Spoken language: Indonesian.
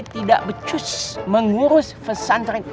tidak becus mengurus pesantren